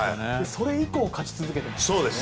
それ以降勝ち続けていましたね。